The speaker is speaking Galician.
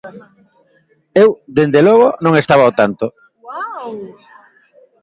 Eu, dende logo, non estaba ao tanto.